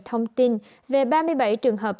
thông tin về ba mươi bảy trường hợp